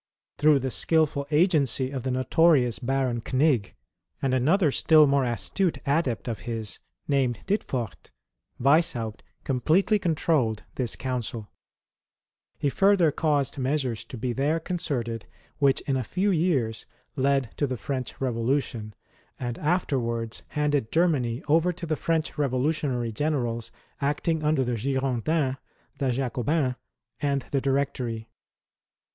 Through the skilful agency of the notorious Baron Knigg, and another still more astute adept of his, named Dittfort, Wieshaupt completely controlled tliis Council. He further caused measures to be there concerted which in a few years led to the French Kevolution, and afterwards handed Germany over to the French revolutionary Generals acting under the Girondins, CABALISTIC MASONRY OR MASONIC SPIRITISM, 37 tlie Jacobins, and the Directory.